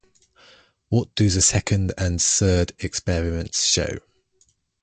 What do the second and the third experiments show?